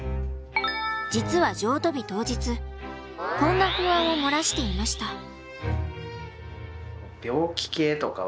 実は譲渡日当日こんな不安を漏らしていました。